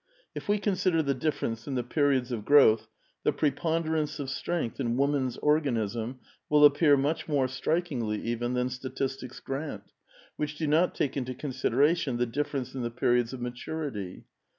If we consider the difference in the periods of growth, the preponderance of strength in woman's organism will appear much more strikingly even than statistics grant, which do not take into consideration the difference in the periods of maturitv.